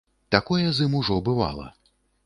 Такое з ім ужо бывала.